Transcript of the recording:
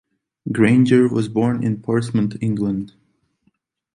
Granger was born in Portsmouth, England.